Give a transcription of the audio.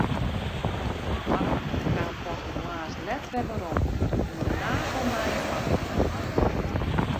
Harm kaam pas de moarns let wer werom yn in nagelnije auto.